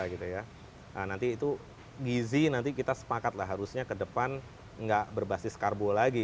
nah nanti itu gizi nanti kita sepakat lah harusnya ke depan nggak berbasis karbo lagi